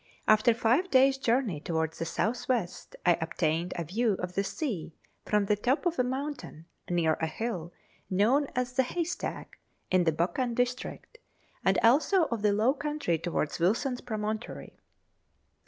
After five days' journey towards the south west, I obtained a view of the sea from the top of a mountain, near a hill known as the Haystack, in the Buchan district, and also of the low country towards Wilson's Promontory.